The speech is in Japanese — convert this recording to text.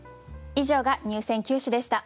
以上が入選九首でした。